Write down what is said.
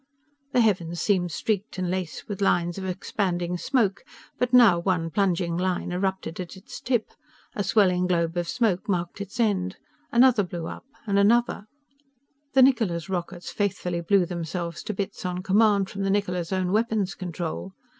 _" The heavens seemed streaked and laced with lines of expanding smoke. But now one plunging line erupted at its tip. A swelling globe of smoke marked its end. Another blew up. And another The Niccola's rockets faithfully blew themselves to bits on command from the Niccola's own weapons control.